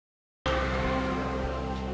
kau mau pergi ngerendah dulu